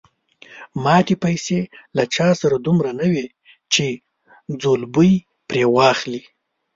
ماتې پیسې له چا سره دومره نه وې چې ځلوبۍ پرې واخلي.